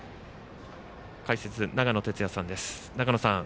解説、長野哲也さんです。